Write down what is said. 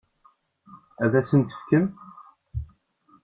Ad asent-tt-tefkemt?